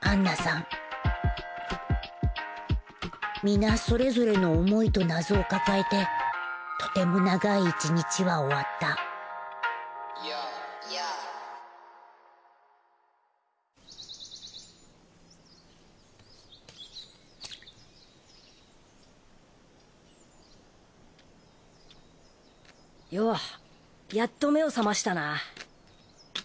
皆それぞれの思いと謎を抱えてとても長い１日は終わったよおやっと目を覚ましたな。